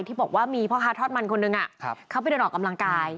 ที่บอกว่ามีพ่อค้าทอดมันคนนึงเขาไปเดินออกกำลังกาย